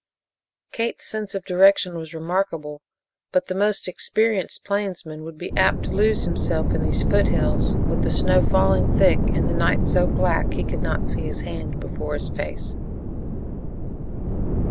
Kate's sense of direction was remarkable, but the most experienced plainsman would be apt to lose himself in these foothills, with the snow falling thick and the night so black he could not see his hand before his face.